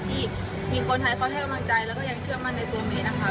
ที่มีคนไทยเขาให้กำลังใจแล้วก็ยังเชื่อมั่นในตัวเมย์นะคะ